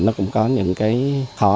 nó cũng có những khó